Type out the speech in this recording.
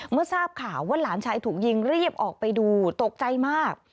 เมื่อทราบข่าวว่าหลานชายถูกยิงรีบออกไปดูตกใจมาก